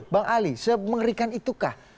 bang ali semengerikan itukah